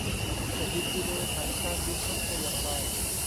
เที่ยวบินดีเลย์สายการบินชดเชยอย่างไร ?